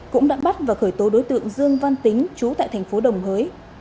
cũng đã bắt và khởi tố đối tượng dương văn tính chú tại thành phố đồng hới